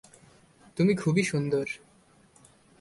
তুমি খুবই সুন্দর।